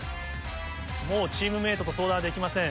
もうチームメートと相談はできません。